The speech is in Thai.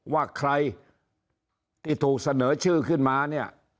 ว่าใครที่ถูกเสนอชื่อขึ้นมาเนี่ย